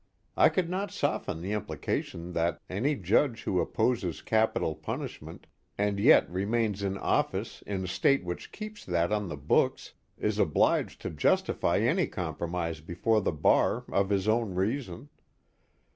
I could not soften the implication that any judge who opposes capital punishment and yet remains in office in a state which keeps that on the books is obliged to justify such compromise before the bar of his own reason.